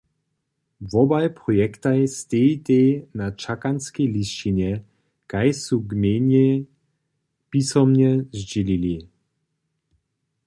Wobaj projektaj stejitej na čakanskej lisćinje, kaž su gmejnje pisomnje zdźělili.